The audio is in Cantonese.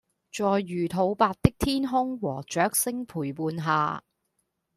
在魚肚白的天空和雀聲陪伴下